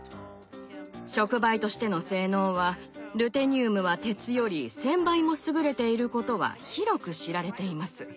触媒としての性能はルテニウムは鉄より１，０００倍も優れていることは広く知られています。